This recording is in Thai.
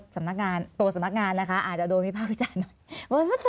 ตัวสำนักงานนะคะอาจจะโดนพี่พ่อพูดจ้ะหน่อย